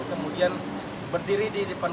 kemudian berdiri di depan